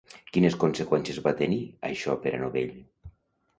Quines conseqüències va tenir això per a Novell?